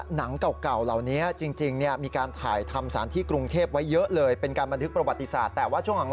หน้ายังไงก็หน้าอย่างนั้นล่อมากค่ะมั้ง